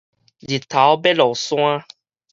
日頭欲落山